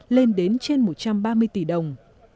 lên đến trên một trăm ba mươi tỷ đồng